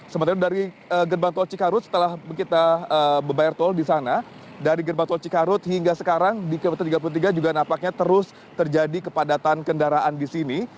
sementara dari gerbang tol cikarut setelah kita berbayar tol di sana dari gerbang tol cikarut hingga sekarang di kilometer tiga puluh tiga juga nampaknya terus terjadi kepadatan kendaraan di sini